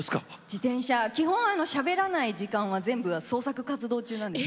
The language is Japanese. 自転車基本しゃべらない時間は全部創作活動中なんです。